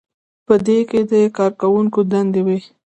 په دې کې د کارکوونکي دندې وي.